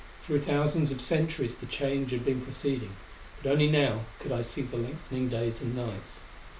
Through thousands of centuries the change had been proceeding, but only now could I see the lengthening days and nights.